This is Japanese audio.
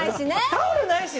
タオルないし。